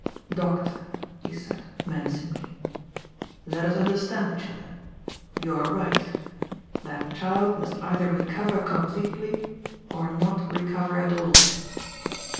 "Doctor," he said menacingly, "let us understand each other. You are right ; that child must either recover com pletely, or not recover at all."